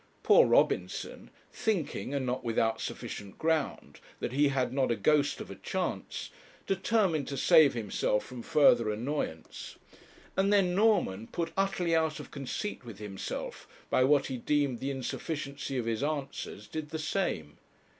Poor Robinson, thinking, and not without sufficient ground, that he had not a ghost of a chance, determined to save himself from further annoyance; and then Norman, put utterly out of conceit with himself by what he deemed the insufficiency of his answers, did the same.